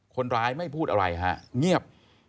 คนร้ายไม่พูดอะไรฮะเงียบ